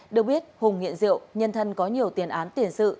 được biết hùng nghiện rượu nhân thân có nhiều tiền án tiền sự